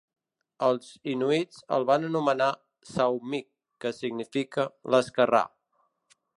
Els inuits el van anomenar "Saumik", que significa "l'esquerrà".